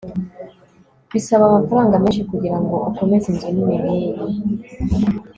bisaba amafaranga menshi kugirango ukomeze inzu nini nkiyi